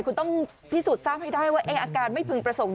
คุณต้องพิสูจน์ทราบให้ได้ว่าอาการไม่พึงประสงค์